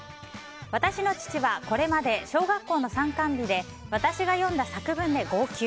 私の父はこれまで小学校の参観日で私が読んだ作文で号泣。